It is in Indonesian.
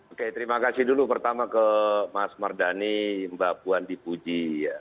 oke terima kasih dulu pertama ke mas mardani mbak puan di puji